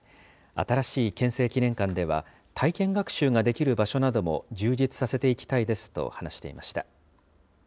新しい憲政記念館では、体験学習ができる場所なども充実させていきたいですと話していました。